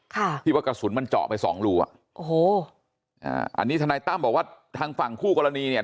ค่ะที่ว่ากระสุนมันเจาะไปสองรูอ่ะโอ้โหอ่าอันนี้ทนายตั้มบอกว่าทางฝั่งคู่กรณีเนี่ย